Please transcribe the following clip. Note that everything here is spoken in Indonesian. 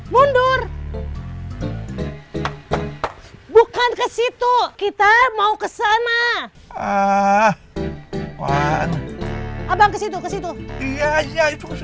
mundur bukan kesitu kita mau kesana ah abang kesitu kesitu iya iya bagus ya maju